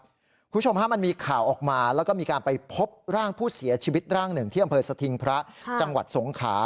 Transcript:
คุณผู้ชมฮะมันมีข่าวออกมาแล้วก็มีการไปพบร่างผู้เสียชีวิตร่างหนึ่งที่อำเภอสถิงพระจังหวัดสงขา